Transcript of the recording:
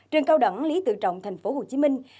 trường cao đẳng lý tự trọng thành phố hồ chí minh